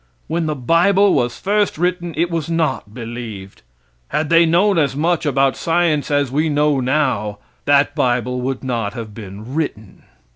When the bible was first written it was not believed. Had they known as much about science as we know now that bible would not have been written.